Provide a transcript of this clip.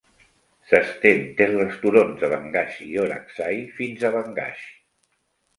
S'estén des dels turons de Bangash i Orakzai fins a Bangashs.